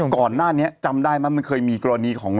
ก่อนหน้านี้จำได้ไหมมันเคยมีกรณีของ